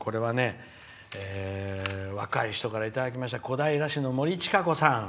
若い人からいただきました小平市のもりちかこさん。